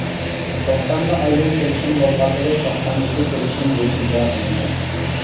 توختامدا ئايرىم كېلىشىم بولغانلىرى توختامدىكى كېلىشىم بويىچە ئىجرا قىلىنىدۇ.